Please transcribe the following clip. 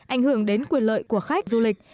ảnh hưởng đến quyền lợi của khách du lịch